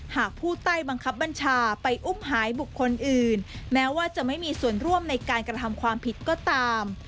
หากผู้ใต้บังคับบัญชาไปอุ้มหายบุคคลอื่นแม้ว่าจะไม่มีส่วนร่วมในการกระทำความผิดก็ตาม